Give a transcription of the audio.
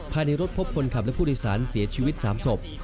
ภายในรถพบคนขับและผู้โดยสารเสียชีวิต๓ศพ